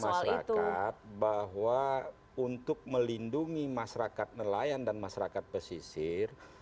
sekarang kan janji anies kepada masyarakat bahwa untuk melindungi masyarakat nelayan dan masyarakat pesisir